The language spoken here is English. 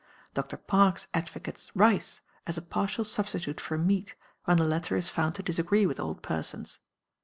Dr. Parkes advocates rice as a partial substitute for meat when the latter is found to disagree with old persons.